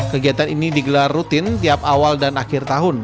kegiatan ini digelar rutin tiap awal dan akhir tahun